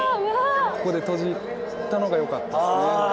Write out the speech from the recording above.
ここで閉じたのがよかったですね。